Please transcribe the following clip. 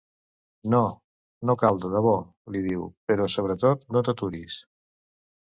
No, no cal, de debò —li diu—, però sobretot no t'aturis.